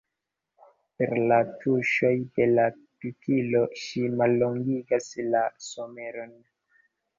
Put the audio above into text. Per la tuŝoj de la pikilo ŝi mallongigas la someron.